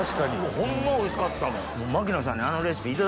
ホンマおいしかったもん。